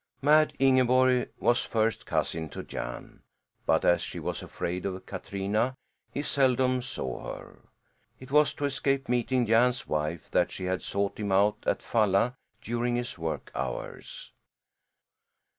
Mad Ingeborg was first cousin to Jan. But as she was afraid of Katrina he seldom saw her. It was to escape meeting Jan's wife that she had sought him out at Falla during his work hours.